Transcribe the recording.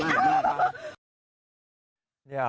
ไม่เอา